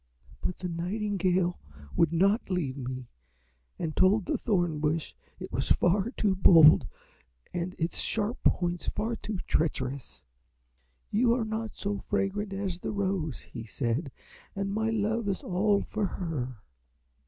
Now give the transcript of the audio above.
"But the nightingale would not leave me, and told the Thorn Bush it was far too bold and its sharp points far too treacherous. 'You are not so fragrant as the Rose,' he said, 'and my love is all for her.'